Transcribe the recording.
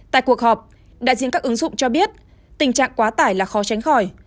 tại cuộc họp đại diện các ứng dụng cho biết tình trạng quá tải là khó tránh khỏi